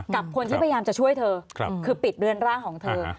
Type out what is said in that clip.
กับคนที่พยายามจะช่วยเธอคือปิดเรือนร่างของเธอ